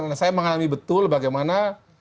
karena saya mengalami betul bagaimana